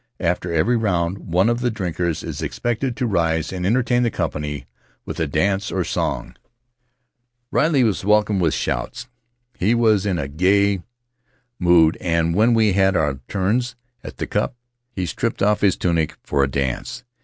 After every round one of the drinkers is expected to rise and entertain the company with a dance or a song. Riley was welcomed with shouts; he was in a gay Faery Lands of the South Seas mood and when we had had our turns at the cup he stripped off his tunic for a dance.